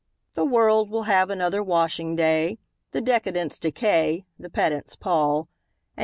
The world will have another washing day; The decadents decay; the pedants pall; And H.